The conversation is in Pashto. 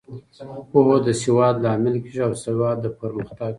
پوهه د سواد لامل کیږي او سواد د پرمختګ.